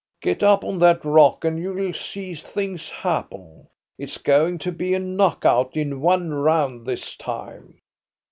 Get up on that rock and you'll see things happen. It's going to be a knockout in one round this time."